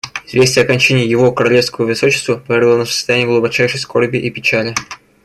Известие о кончине Его Королевского Высочества повергло нас в состояние глубочайшей скорби и печали.